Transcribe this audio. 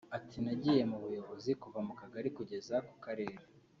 Ati "Nagiye mu buyobozi kuva ku kagari kugeza ku Karere